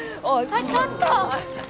あっちょっと！